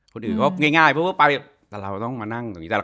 คนอื่นก็ง่ายเพราะว่าไปแต่เราต้องมานั่งตรงนี้